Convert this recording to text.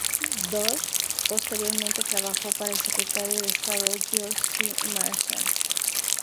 Dodge, posteriormente, trabajó para el secretario de Estado George C. Marshall.